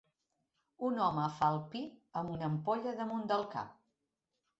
Un home fa el pi amb una ampolla damunt del cap